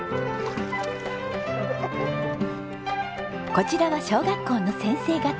こちらは小学校の先生方。